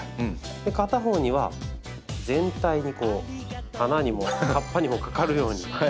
片方には全体にこう花にも葉っぱにもかかるように。